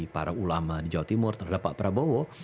para ulama di jawa timur terhadap pak prabowo